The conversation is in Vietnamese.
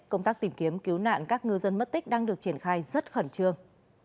công tác tìm kiếm cứu nạn các ngư dân mất tích đang được triển khai rất khẩn trương